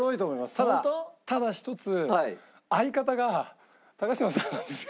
ただ一つ相方が嶋さんなんですよ。